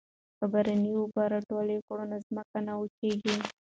که باران اوبه راټولې کړو نو ځمکه نه وچیږي.